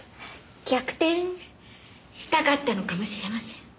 逆転したかったのかも知れません。